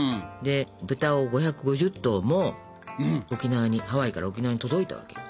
豚を５５０頭も沖縄にハワイから沖縄に届いたわけ。